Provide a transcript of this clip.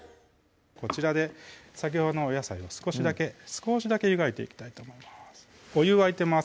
こちらで先ほどのお野菜を少しだけ湯がいていきたいと思いますお湯沸いてます